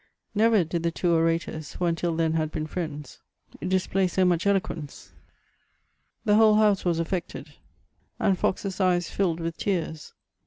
Never did the two orators, who until then had been friends, display so much eloquence. The whole house was affected, and Fox's eyes filled with tears.